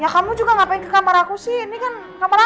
ya kamu juga nggak pengen ke kamar aku sih ini kan kamar aku